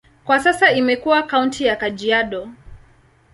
Kwa sasa imekuwa kaunti ya Kajiado.